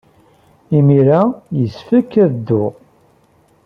Imir-a, yessefk ad dduɣ.